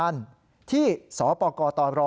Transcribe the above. มีส่วนสารวัตรแมก